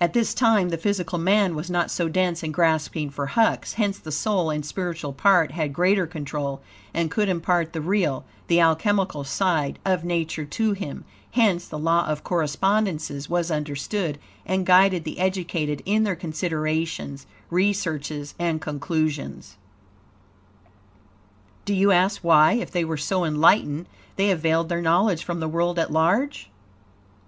At this time, the physical man was not so dense and grasping for husks; hence the soul and spiritual part had greater control, and could impart the real, the alchemical side, of Nature to him; hence the Law of Correspondences was understood, and guided the educated in their considerations, researches, and conclusions. Do you ask why, if they were so enlightened, they have veiled their knowledge from the world at large?